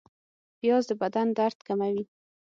پیاز د بدن درد کموي